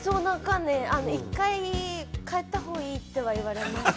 １回帰ったほうがいいって言われました。